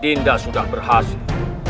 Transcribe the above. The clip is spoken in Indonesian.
dinda sudah berhasil